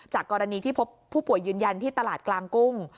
กรณีที่พบผู้ป่วยยืนยันที่ตลาดกลางกุ้ง